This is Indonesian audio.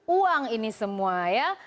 uang ini semua ya